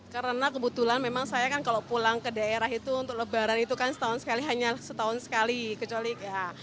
karena kebetulan memang saya kan kalau pulang ke daerah itu untuk lebaran itu kan setahun sekali hanya setahun sekali kecolik ya